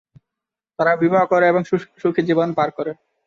তারা বিবাহ করে এবং সুখী জীবন পরে থাকে।